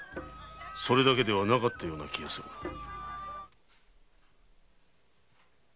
それだけではなかったような気がするが。